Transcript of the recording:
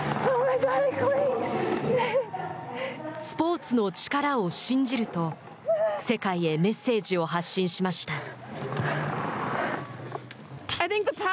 「スポーツの力を信じる」と世界へメッセージを発進しました。